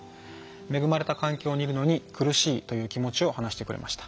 恵まれた環境にいるのに苦しいという気持ちを話してくれました。